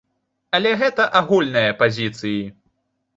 Але гэта агульныя пазіцыі.